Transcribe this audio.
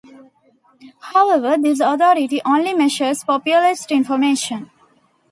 However, this authority only measures populist information.